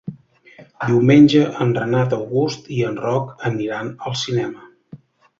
Diumenge en Renat August i en Roc aniran al cinema.